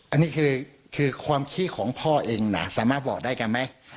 อันนี้คือความขี้ของพ่อเองนะสามารถบอกได้กันไหม